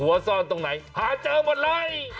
ว่าซ่อนตรงไหนหาเจอหมดเลย